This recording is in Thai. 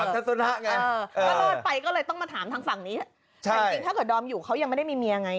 ทัศนะไงก็รอดไปก็เลยต้องมาถามทางฝั่งนี้แต่จริงถ้าเกิดดอมอยู่เขายังไม่ได้มีเมียไง